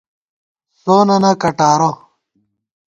سوننہ کٹارہ